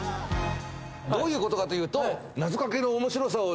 どういうことかというと。